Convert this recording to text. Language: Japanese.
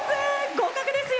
合格ですよ！